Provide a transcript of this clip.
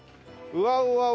うわうわ